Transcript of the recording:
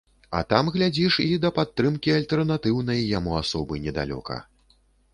А там, глядзіш, і да падтрымкі альтэрнатыўнай яму асобы недалёка.